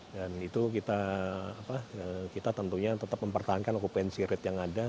dan itu kita tentunya tetap mempertahankan kubensi rate yang ada